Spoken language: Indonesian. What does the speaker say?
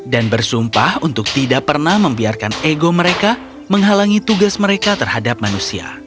dan bersumpah untuk tidak pernah membiarkan ego mereka menghalangi tugas mereka terhadap manusia